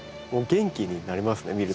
もう元気になりますね